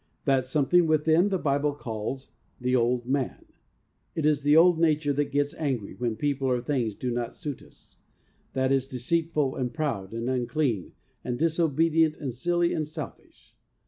That some thing within the Bible calls ' the old man.' It is the old nature that gets angry when people or things do not suit us ; that is deceitful, and proud, and unclean, and dis obedient, and silly, and selfish.